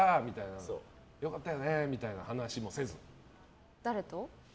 良かったよねみたいな話もせず？